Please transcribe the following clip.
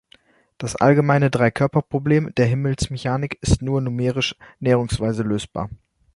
Das allgemeine Dreikörperproblem der Himmelsmechanik ist nur numerisch näherungsweise lösbar.